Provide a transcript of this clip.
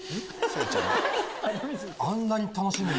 あんなに楽しみに。